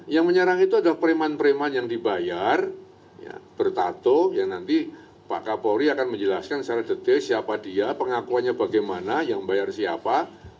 yang menyerang itu adalah preman preman yang dibayar bertato yang nanti pak kapolri akan menjelaskan secara detail siapa dia pengakuannya bagaimana yang bayar siapa